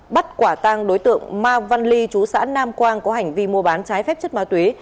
bắt quả tang đối tượng ma văn ly chú xã nam quang có hành vi mua bán trái phép chất ma túy